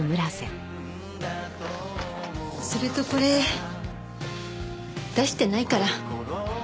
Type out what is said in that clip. それとこれ出してないから。